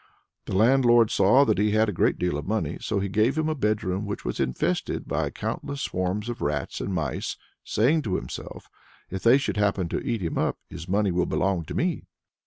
The landlord saw that he had a great deal of money, so he gave him a bedroom which was infested by countless swarms of rats and mice, saying to himself, "If they should happen to eat him up, his money will belong to me."